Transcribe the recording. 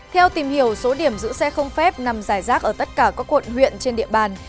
theo tìm hiểu số điểm giữ xe không phép nằm giải rác ở tất cả các quận huyện trên địa bàn